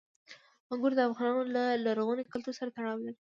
انګور د افغانانو له لرغوني کلتور سره تړاو لري.